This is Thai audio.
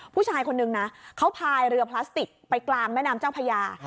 ผู้ชายคนนึงนะเขาพายเรือพลาสติกไปกลางแม่น้ำเจ้าพญา